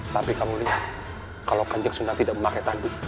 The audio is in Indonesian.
tapi kamu lihat kalau kanjeng sunan tidak memakai tanduk